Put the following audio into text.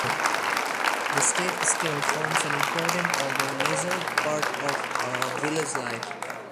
The estate still forms an important, although lesser, part of village life.